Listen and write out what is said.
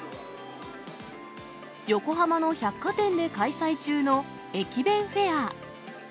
横浜の百貨店で開催中の駅弁フェア。